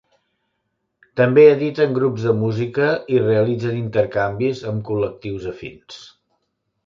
També editen grups de música i realitzen intercanvis amb col·lectius afins.